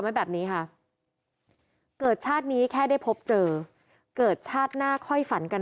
ไว้แบบนี้ค่ะเกิดชาตินี้แค่ได้พบเจอเกิดชาติหน้าค่อยฝันกัน